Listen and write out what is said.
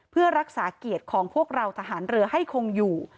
เพื่อรักษาเกียรติของพวกเราทหารเรือให้คงอยู่